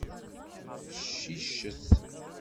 Ciccet.